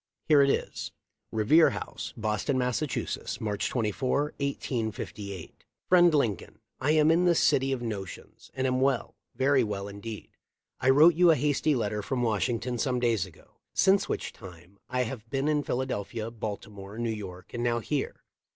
Here it is : "Revere House, "Boston, Mass., March 24, 1858. "Friend Lincoln. "I am in this city of notions, and am well — very well indeed. I wrote you a hasty letter from Washington some days ago, since which time I have been in Philadelphia, Baltimore, New York, and now here.